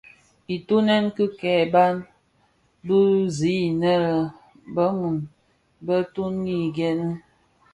Itōnen kii keba bi zi innë bë-mun bë toni gènë.